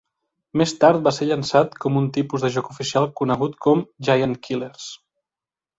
Més tard va ser llançat com un tipus de joc oficial conegut com "Giant Killers".